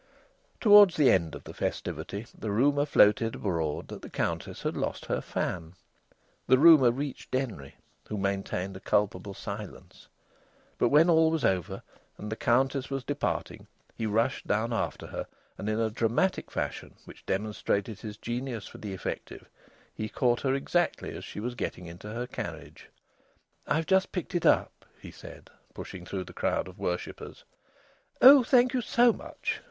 Towards the end of the festivity the rumour floated abroad that the Countess had lost her fan. The rumour reached Denry, who maintained a culpable silence. But when all was over, and the Countess was departing, he rushed down after her, and, in a dramatic fashion which demonstrated his genius for the effective, he caught her exactly as she was getting into her carriage. "I've just picked it up," he said, pushing through the crowd of worshippers. "Oh! thank you so much!"